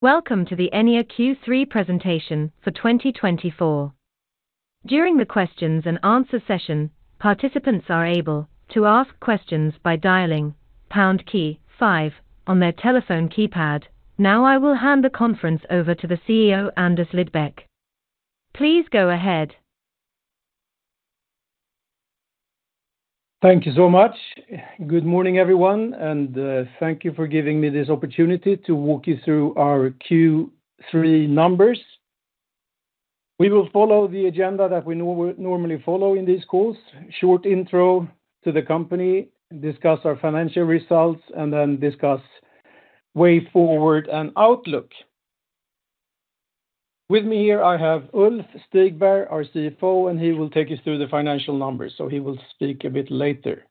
Welcome to the Enea Q3 presentation for 2024. During the questions-and-answer session, participants are able to ask questions by dialing pound key five on their telephone keypad. Now, I will hand the conference over to the CEO, Anders Lidbeck. Please go ahead. Thank you so much. Good morning, everyone, and thank you for giving me this opportunity to walk you through our Q3 numbers. We will follow the agenda that we normally follow in these calls: short intro to the company, discuss our financial results, and then discuss way forward and outlook. With me here, I have Ulf Stigberg, our CFO, and he will take us through the financial numbers, so he will speak a bit later.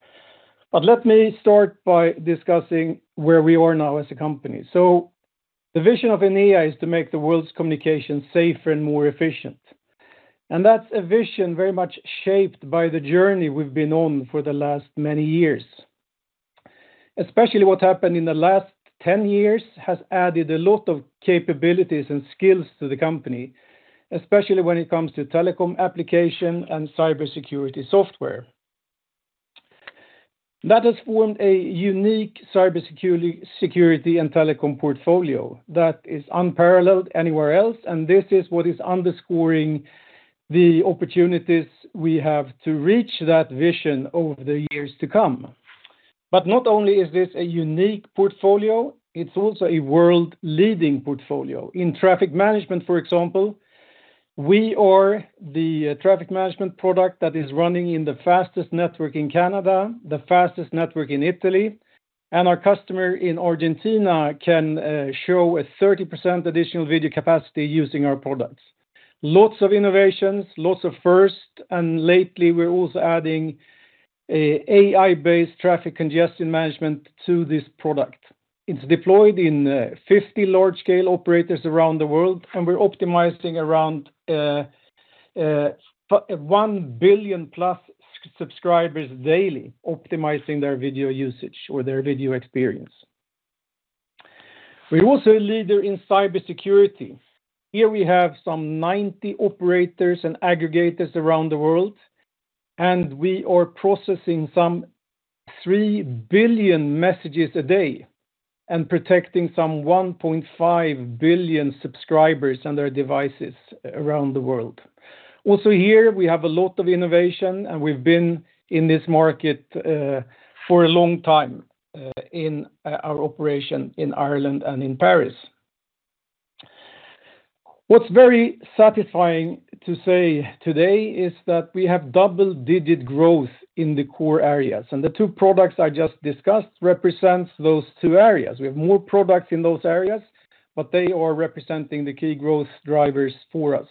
But let me start by discussing where we are now as a company. So the vision of Enea is to make the world's communication safer and more efficient, and that's a vision very much shaped by the journey we've been on for the last many years. Especially what happened in the last 10 years has added a lot of capabilities and skills to the company, especially when it comes to telecom application and cybersecurity software. That has formed a unique cybersecurity, security, and telecom portfolio that is unparalleled anywhere else, and this is what is underscoring the opportunities we have to reach that vision over the years to come. But not only is this a unique portfolio, it's also a world-leading portfolio. In traffic management, for example, we are the traffic management product that is running in the fastest network in Canada, the fastest network in Italy, and our customer in Argentina can show a 30% additional video capacity using our products. Lots of innovations, lots of first, and lately, we're also adding a AI-based traffic congestion management to this product. It's deployed in 50 large-scale operators around the world, and we're optimizing around 1 billion-plus subscribers daily, optimizing their video usage or their video experience. We're also a leader in cybersecurity. Here we have some ninety operators and aggregators around the world, and we are processing some 3 billion messages a day and protecting some 1.5 billion subscribers and their devices around the world. Also, here, we have a lot of innovation, and we've been in this market for a long time in our operation in Ireland and in Paris. What's very satisfying to say today is that we have double-digit growth in the core areas, and the two products I just discussed represents those two areas. We have more products in those areas, but they are representing the key growth drivers for us.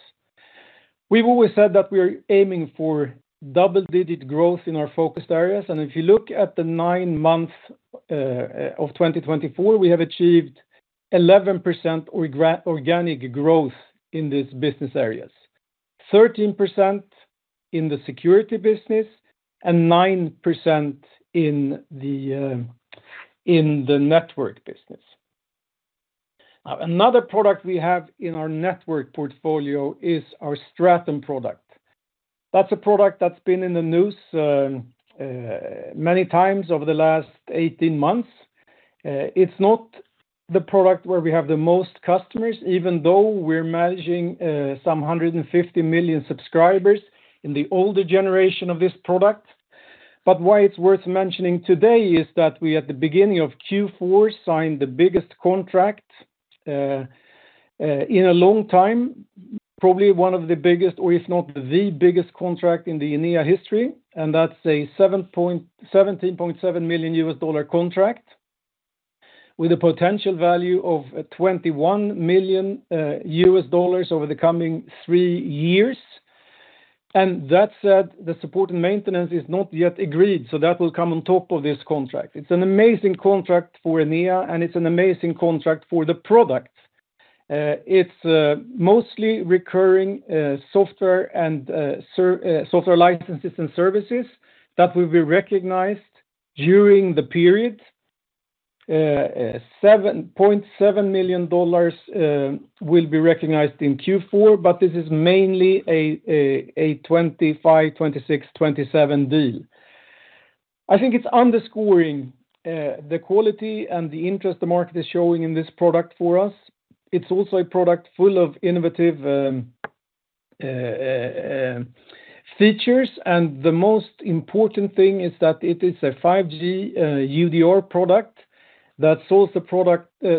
We've always said that we are aiming for double-digit growth in our focused areas, and if you look at the nine months of 2024, we have achieved 11% organic growth in these business areas, 13% in the security business, and 9% in the network business. Another product we have in our network portfolio is our Stratum product. That's a product that's been in the news many times over the last 18 months. It's not the product where we have the most customers, even though we're managing some 150 million subscribers in the older generation of this product. But why it's worth mentioning today is that we, at the beginning of Q4, signed the biggest contract in a long time, probably one of the biggest or if not the biggest contract in the Enea history, and that's a $17.7 million contract with a potential value of $21 million over the coming three years. And that said, the support and maintenance is not yet agreed, so that will come on top of this contract. It's an amazing contract for Enea, and it's an amazing contract for the product. It's mostly recurring software licenses and services that will be recognized during the period. $7.7 million will be recognized in Q4, but this is mainly a 2025, 2026, 2027 deal. I think it's underscoring the quality and the interest the market is showing in this product for us. It's also a product full of innovative features, and the most important thing is that it is a 5G UDR product that solves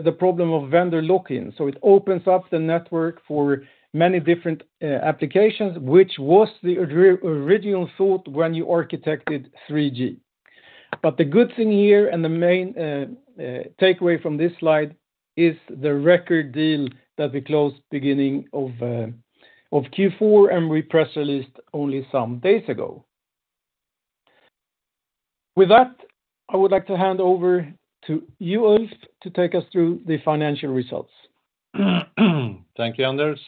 the problem of vendor lock-in. So, it opens up the network for many different applications, which was the original thought when you architected 3G. But the good thing here, and the main takeaway from this slide, is the record deal that we closed beginning of Q4, and we press released only some days ago. With that, I would like to hand over to you, Ulf, to take us through the financial results. Thank you, Anders.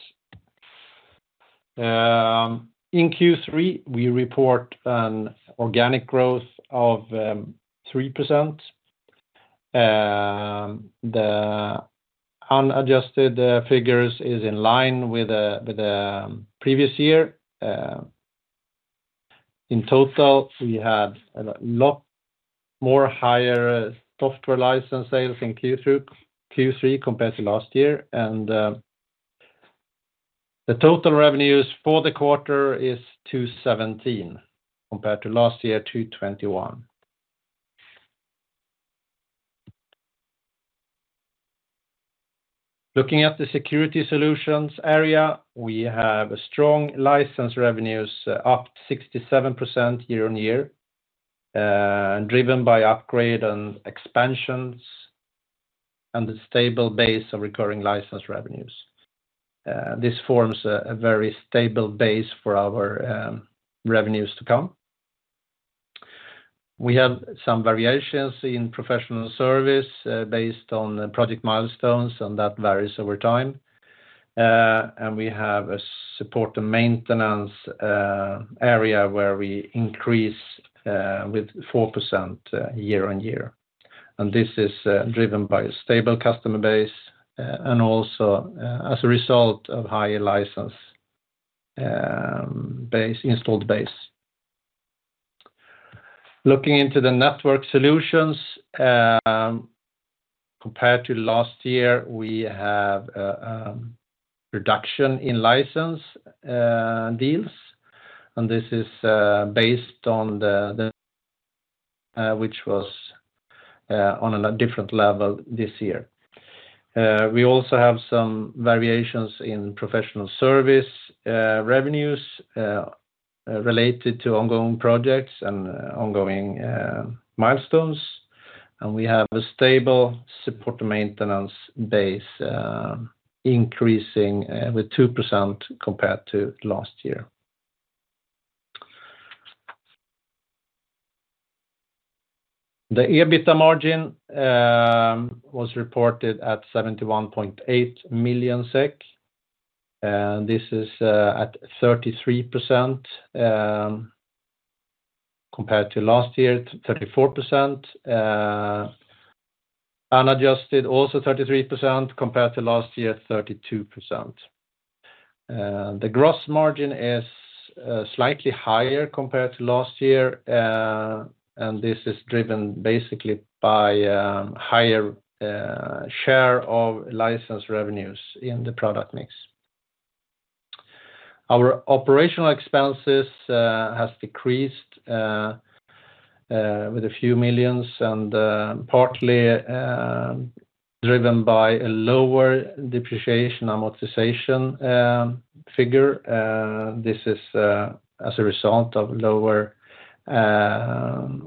In Q3, we report an organic growth of 3%. The unadjusted figures is in line with the previous year. In total, we had a lot more higher software license sales in Q2-Q3 compared to last year, and the total revenues for the quarter is 217, compared to last year, 221. Looking at the Security Solutions area, we have a strong license revenues up 67% year-on-year, driven by upgrade and expansions and a stable base of recurring license revenues. This forms a very stable base for our revenues to come. We have some variations in professional service, based on project milestones, and that varies over time. We have a support and maintenance area where we increase with 4% year-on-year. This is driven by a stable customer base, and also as a result of higher license base, installed base. Looking into the Network Solutions, compared to last year, we have a reduction in license deals, and this is based on the, which was on a different level this year. We also have some variations in professional service revenues related to ongoing projects and ongoing milestones. We have a stable support and maintenance base, increasing with 2% compared to last year. The EBITDA margin was reported at 71.8 million SEK, and this is at 33%, compared to last year at 34%, unadjusted, also 33%, compared to last year 32%. The gross margin is slightly higher compared to last year, and this is driven basically by higher share of license revenues in the product mix. Our operational expenses have decreased with a few million SEK and partly driven by a lower depreciation amortization figure. This is as a result of lower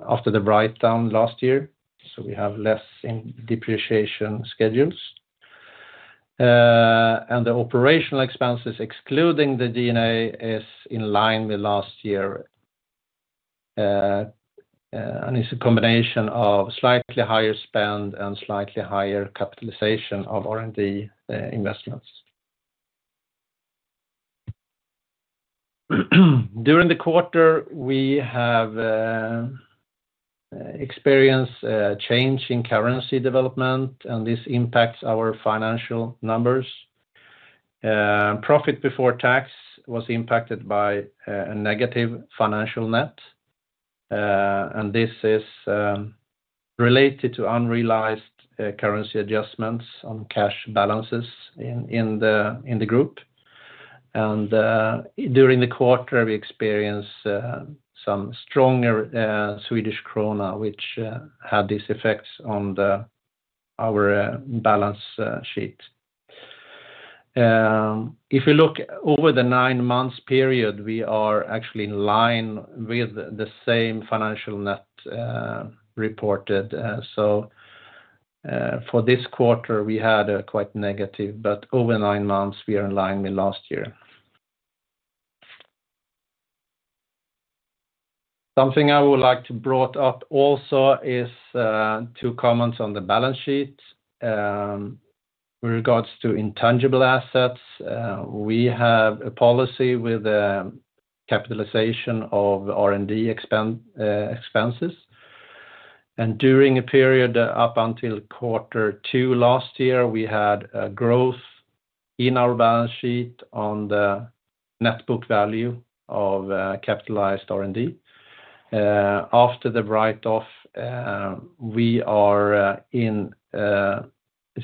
after the write-down last year, so we have less in depreciation schedules. The operational expenses, excluding the G&A, is in line with last year, and it's a combination of slightly higher spend and slightly higher capitalization of R&D investments. During the quarter, we have experienced a change in currency development, and this impacts our financial numbers. Profit before tax was impacted by a negative financial net, and this is related to unrealized currency adjustments on cash balances in the group. During the quarter, we experienced some stronger Swedish krona, which had these effects on our balance sheet. If you look over the nine-month period, we are actually in line with the same financial net reported. So, for this quarter, we had a quite negative, but over nine months, we are in line with last year. Something I would like to brought up also is two comments on the balance sheet. With regards to intangible assets, we have a policy with capitalization of R&D expenses. During a period up until quarter two last year, we had a growth in our balance sheet on the net book value of capitalized R&D. After the write-off, we are in a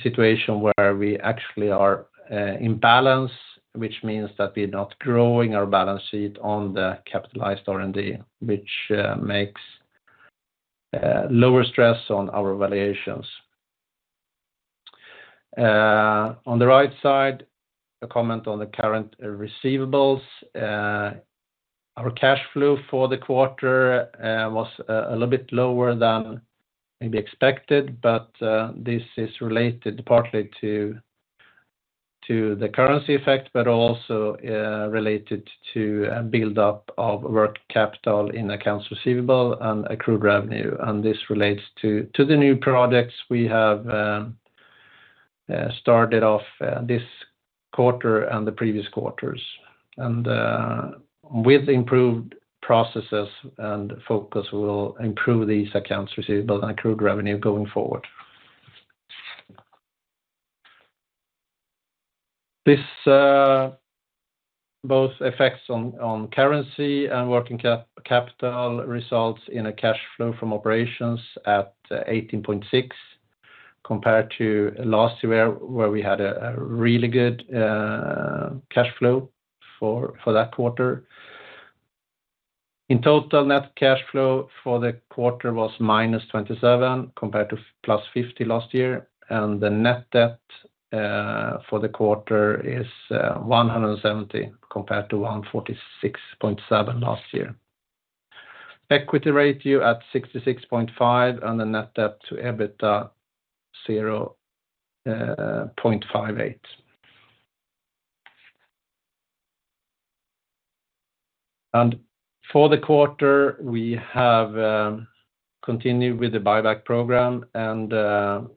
situation where we actually are in balance, which means that we're not growing our balance sheet on the capitalized R&D, which makes lower stress on our valuations. On the right side, a comment on the current receivables. Our cash flow for the quarter was a little bit lower than maybe expected, but this is related partly to the currency effect, but also related to a buildup of working capital in accounts receivable and accrued revenue. This relates to the new products we have started off this quarter and the previous quarters. With improved processes and focus, we will improve these accounts receivable and accrued revenue going forward. This both effects on currency and working capital results in a cash flow from operations at 18.6 million, compared to last year, where we had a really good cash flow for that quarter. In total, net cash flow for the quarter was -27 million, compared to +50 million last year, and the net debt for the quarter is 170 million, compared to 146.7 million last year. Equity ratio at 66.5%, and the net debt to EBITDA 0.58. For the quarter, we have continued with the buyback program, and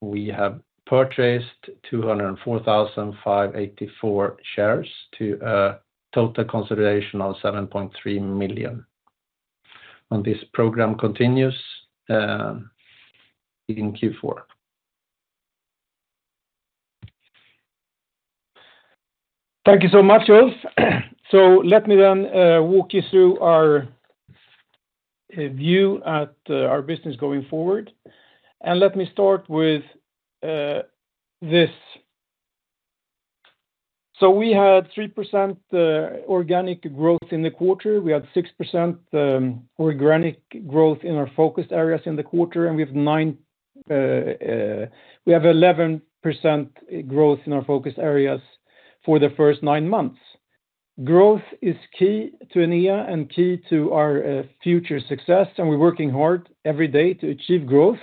we have purchased 204,584 shares to a total consideration of 7.3 million. And this program continues in Q4. Thank you so much, Ulf. Let me then walk you through our view at our business going forward, and let me start with this. We had 3% organic growth in the quarter. We had 6% organic growth in our focus areas in the quarter, and we have 11% growth in our focus areas for the first nine months. Growth is key to Enea and key to our future success, and we're working hard every day to achieve growth.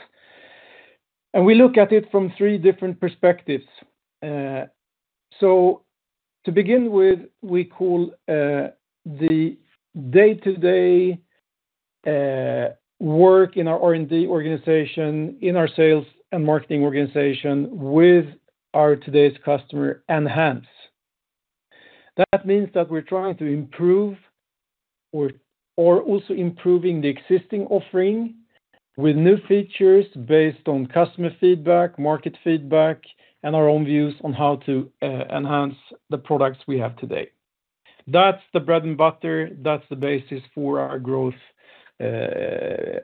We look at it from three different perspectives. To begin with, we call the day-to-day work in our R&D organization, in our sales and marketing organization with our today's customer, Enhance. That means that we're trying to improve or also improving the existing offering with new features based on customer feedback, market feedback, and our own views on how to enhance the products we have today. That's the bread and butter; that's the basis for our growth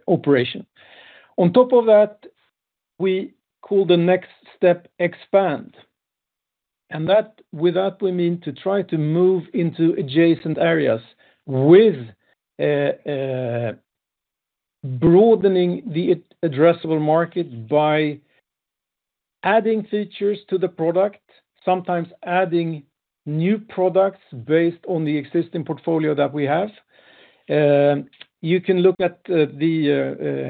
operation. On top of that, we call the next step Expand, and that, with that, we mean to try to move into adjacent areas with a broadening the addressable market by adding features to the product, sometimes adding new products based on the existing portfolio that we have. You can look at the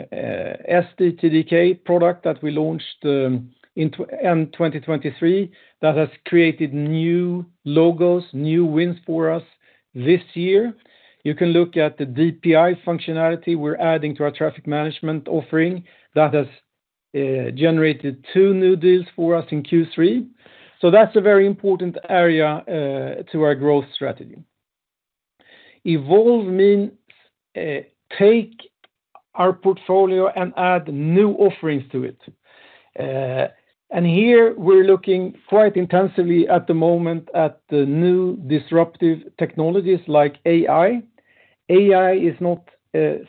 SDK product that we launched in the end of 2023, that has created new logos, new wins for us this year. You can look at the DPI functionality we're adding to our traffic management offering that has generated two new deals for us in Q3, so that's a very important area to our growth strategy, Evolve means take our portfolio and add new offerings to it, and here, we're looking quite intensively at the moment at the new disruptive technologies like AI. AI is not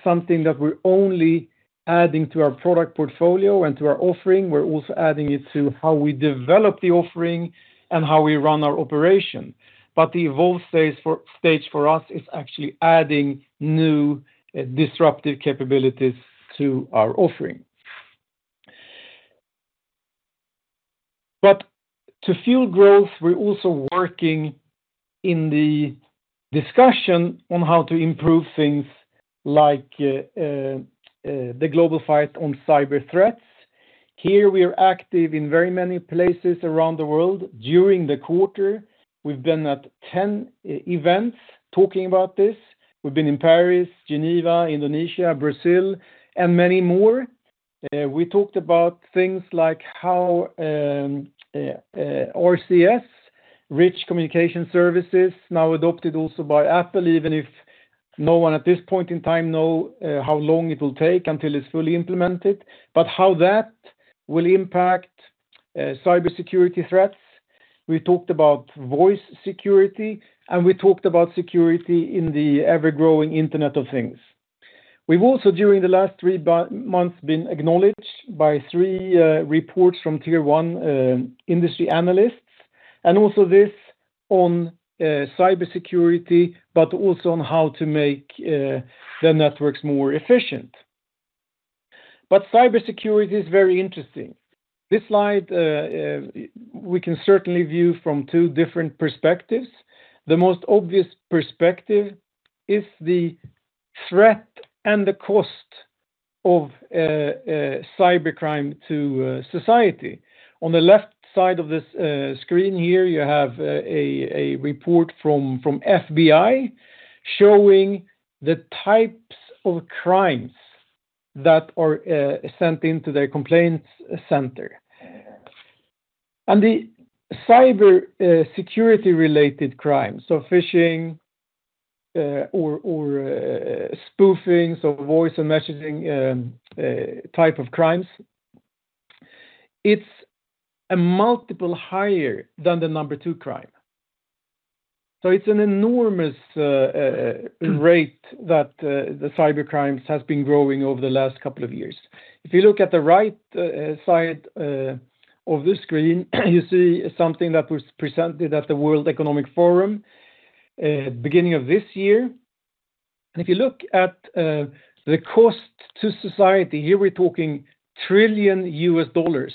something that we're only adding to our product portfolio and to our offering. We're also adding it to how we develop the offering and how we run our operation, but the Evolve stage for us is actually adding new disruptive capabilities to our offering, but to fuel growth, we're also working in the discussion on how to improve things like the global fight on cyber threats. Here, we are active in very many places around the world. During the quarter, we've been at 10 events talking about this. We've been in Paris, Geneva, Indonesia, Brazil, and many more. We talked about things like how RCS, Rich Communication Services, now adopted also by Apple, even if no one at this point in time know how long it will take until it's fully implemented, but how that will impact cybersecurity threats. We talked about voice security, and we talked about security in the ever-growing Internet of Things. We've also, during the last three months, been acknowledged by three reports from tier one industry analysts, and also this on cybersecurity, but also on how to make the networks more efficient. But cybersecurity is very interesting. This slide we can certainly view from two different perspectives. The most obvious perspective is the threat and the cost of cybercrime to society. On the left side of this screen here, you have a report from FBI showing the types of crimes that are sent into the complaints center, and the cybersecurity-related crime, so phishing or spoofing, so voice and messaging type of crimes, it's a multiple higher than the number two crime, so it's an enormous rate that the cybercrimes has been growing over the last couple of years. If you look at the right side of the screen, you see something that was presented at the World Economic Forum beginning of this year, and if you look at the cost to society, here we're talking trillion US dollars.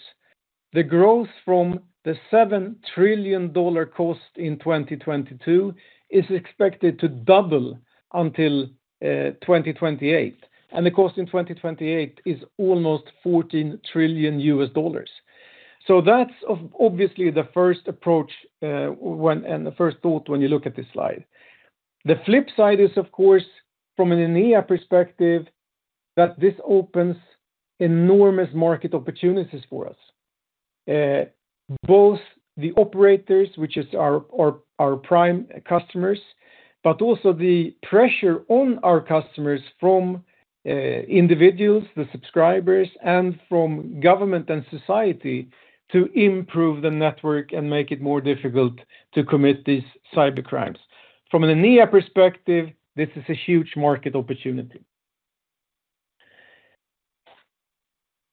The growth from the $7 trillion cost in 2022 is expected to double until 2028, and the cost in 2028 is almost $14 trillion. So that's obviously the first approach, and the first thought when you look at this slide. The flip side is, of course, from an Enea perspective, that this opens enormous market opportunities for us. Both the operators, which is our prime customers, but also the pressure on our customers from individuals, the subscribers, and from government and society to improve the network and make it more difficult to commit these cybercrimes. From an Enea perspective, this is a huge market opportunity.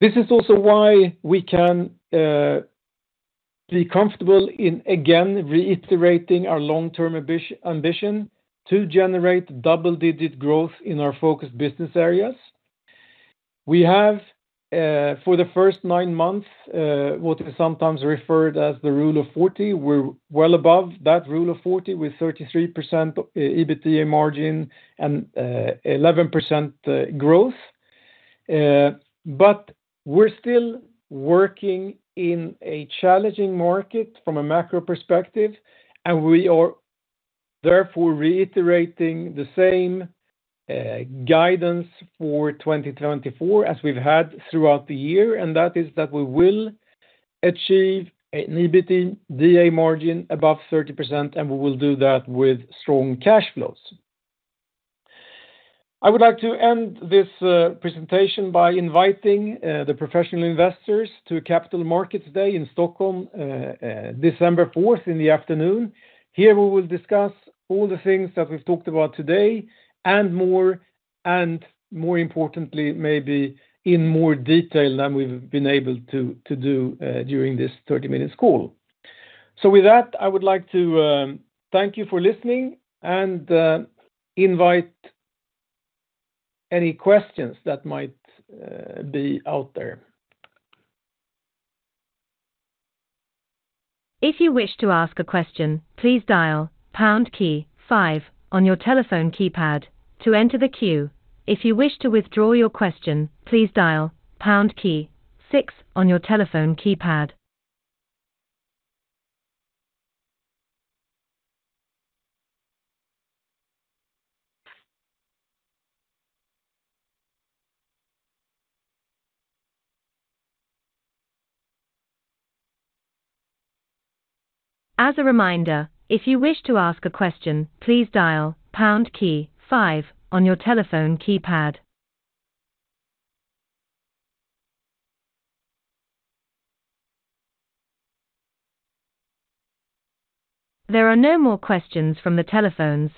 This is also why we can be comfortable in, again, reiterating our long-term ambition to generate double-digit growth in our focus business areas. We have for the first nine months what is sometimes referred as the Rule of 40. We're well above that Rule of 40, with 33% EBITDA margin and 11% growth. But we're still working in a challenging market from a macro perspective, and we are therefore reiterating the same guidance for 2024 as we've had throughout the year, and that is that we will achieve an EBITDA margin above 30%, and we will do that with strong cash flows. I would like to end this presentation by inviting the professional investors to a Capital Markets Day in Stockholm, December 4th, in the afternoon. Here, we will discuss all the things that we've talked about today and more, and more importantly, maybe in more detail than we've been able to do during this 30-minute call. So with that, I would like to thank you for listening and invite any questions that might be out there. If you wish to ask a question, please dial pound key five on your telephone keypad to enter the queue. If you wish to withdraw your question, please dial pound key six on your telephone keypad. As a reminder, if you wish to ask a question, please dial pound key five on your telephone keypad. There are no more questions from the telephones,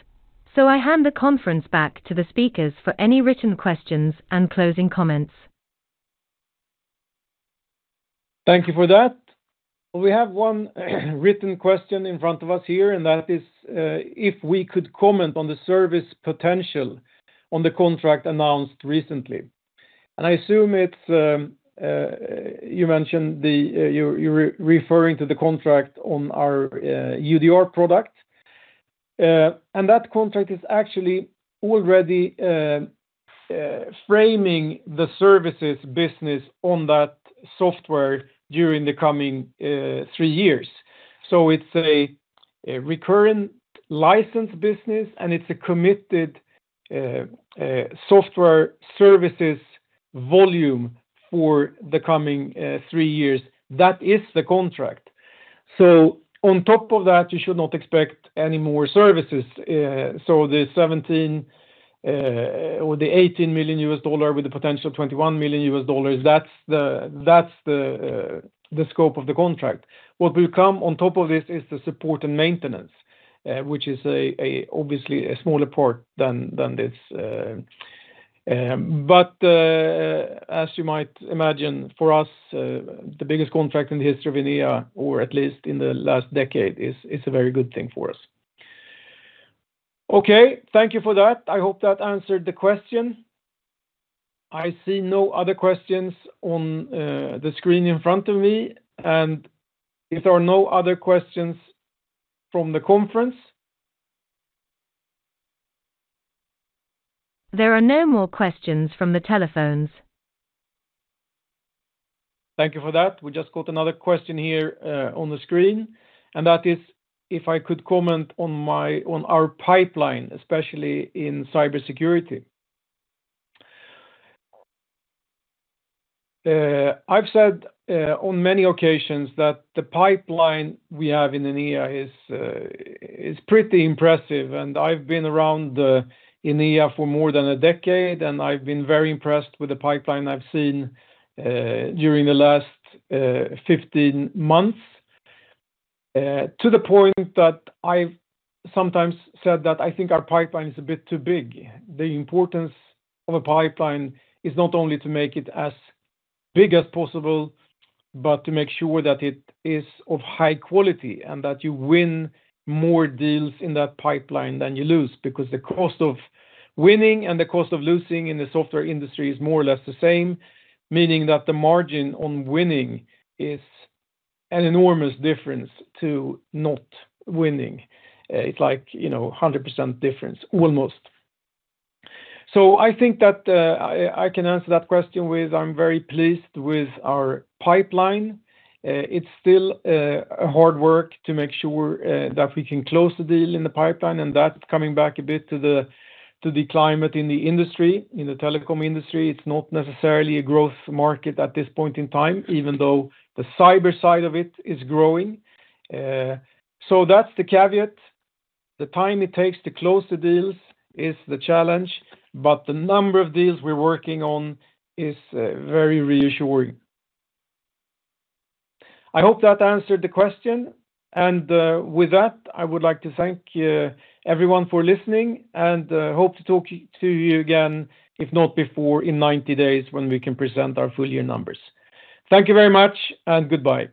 so I hand the conference back to the speakers for any written questions and closing comments. Thank you for that. We have one written question in front of us here, and that is, if we could comment on the service potential on the contract announced recently. And I assume it's, you mentioned the, you're referring to the contract on our UDR product. And that contract is actually already framing the services business on that software during the coming three years. So it's a recurrent license business, and it's a committed software services volume for the coming three years. That is the contract. So, on top of that, you should not expect any more services. So the $17 million or $18 million with the potential of $21 million, that's the scope of the contract. What will come on top of this is the support and maintenance, which is obviously a smaller part than this. But as you might imagine, for us, the biggest contract in the history of Enea, or at least in the last decade, is a very good thing for us. Okay, thank you for that. I hope that answered the question. I see no other questions on the screen in front of me, and if there are no other questions from the conference? There are no more questions from the telephones. Thank you for that. We just got another question here on the screen, and that is if I could comment on our pipeline, especially in cybersecurity. I've said on many occasions that the pipeline we have in Enea is pretty impressive, and I've been around Enea for more than a decade, and I've been very impressed with the pipeline I've seen during the last 15 months. To the point that I've sometimes said that I think our pipeline is a bit too big. The importance of a pipeline is not only to make it as possible, but to make sure that it is of high quality, and that you win more deals in that pipeline than you lose. Because the cost of winning and the cost of losing in the software industry is more or less the same, meaning that the margin on winning is an enormous difference to not winning. It's like, you know, 100% difference, almost. So I think that I can answer that question with, I'm very pleased with our pipeline. It's still a hard work to make sure that we can close the deal in the pipeline, and that's coming back a bit to the climate in the industry. In the telecom industry, it's not necessarily a growth market at this point in time, even though the cyber side of it is growing. So that's the caveat. The time it takes to close the deals is the challenge, but the number of deals we're working on is very reassuring. I hope that answered the question, and with that, I would like to thank everyone for listening and hope to talk to you again, if not before, in ninety days, when we can present our full year numbers. Thank you very much, and goodbye!